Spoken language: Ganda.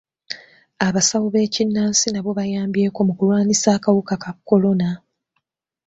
Abasawo b'ekinnansi nabo bayambyeko mu kulwanyisa akawuka ka kolona.